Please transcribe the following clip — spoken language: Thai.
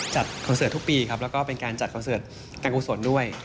คอนเสิร์ตทุกปีครับแล้วก็เป็นการจัดคอนเสิร์ตการกุศลด้วย